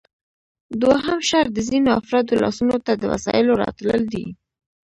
دوهم شرط د ځینو افرادو لاسونو ته د وسایلو راتلل دي